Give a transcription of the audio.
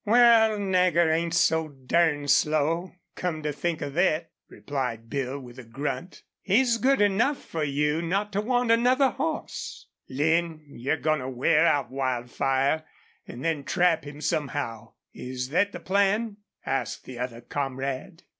"Wal, Nagger ain't so durned slow, come to think of thet," replied Bill, with a grunt. "He's good enough for you not to want another hoss." "Lin, you're goin' to wear out Wildfire, an' then trap him somehow is thet the plan?" asked the other comrade.